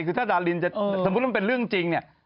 คือถ้าดารินจะสมมุติมันเป็นเรื่องจริงเนี่ย